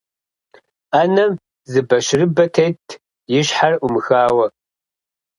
Ӏэнэм зы бащырыбэ тетт, и щхьэр Ӏумыхауэ.